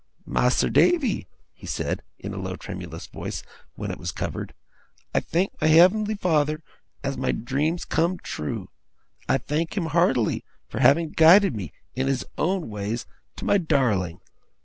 'Mas'r Davy,' he said, in a low tremulous voice, when it was covered, 'I thank my Heav'nly Father as my dream's come true! I thank Him hearty for having guided of me, in His own ways, to my darling!